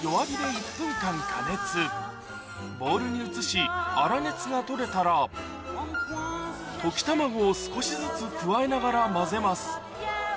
ボウルに移し粗熱が取れたら溶き卵を少しずつ加えながら混ぜます